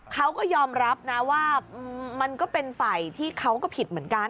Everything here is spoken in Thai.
เขาก็ยอมรับนะว่ามันก็เป็นฝ่ายที่เขาก็ผิดเหมือนกัน